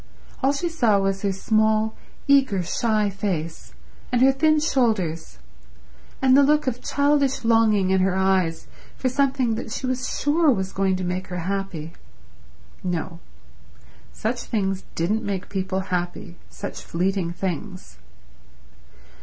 All she saw was her small, eager, shy face, and her thin shoulders, and the look of childish longing in her eyes for something that she was sure was going to make her happy. No; such things didn't make people happy, such fleeting things.